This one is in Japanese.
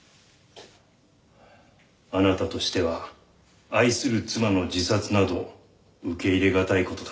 あなたとしては愛する妻の自殺など受け入れがたい事だった。